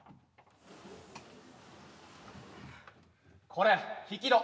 これ引き戸。